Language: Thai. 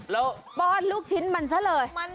แล้วปอดลูกชิ้นมันแหละ